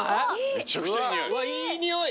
めちゃくちゃいい匂い。